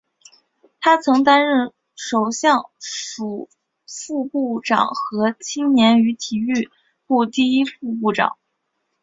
他曾经担任首相署副部长和青年与体育部第一副部长。